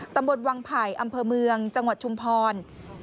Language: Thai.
ตำบลวังไผ่อำเภอเมืองจังหวัดชุมพร